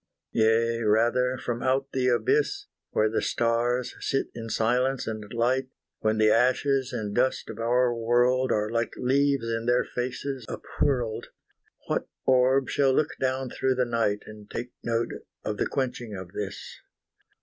Yea rather, from out the abyss, Where the stars sit in silence and light, When the ashes and dust of our world Are like leaves in their faces up whirled, What orb shall look down through the night, And take note of the quenching of this?